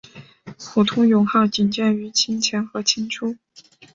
普通勇号仅见于清前和清初。